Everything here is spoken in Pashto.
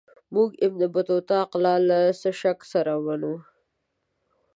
موږ ابن بطوطه اقلا له څه شک سره منو.